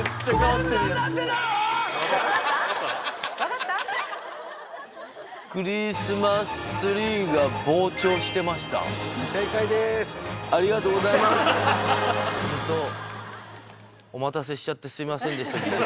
ホントお待たせしちゃってすいませんでした技術さん。